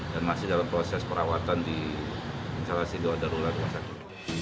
dan masih dalam proses perawatan di instalasi gawat darurat rumah sakit